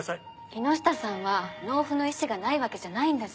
木下さんは納付の意思がないわけじゃないんです。